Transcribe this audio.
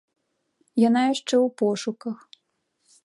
Яна яшчэ ў пошуках.